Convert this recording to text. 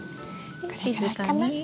で静かに。